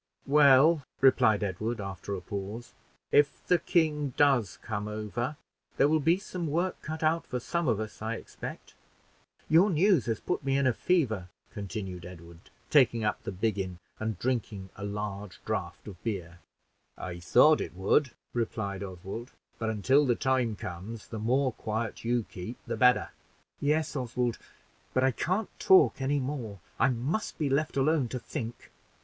'" "Well," replied Edward, after a pause, "if the king does come over, there will be some work cut out for some of us, I expect. Your news has put me in a fever," continued Edward, taking up the biggin and drinking a large draught of beer. "I thought it would," replied Oswald; "but until the time comes, the more quiet you keep the better." "Yes, Oswald; but I can't talk any more; I must be left alone to think.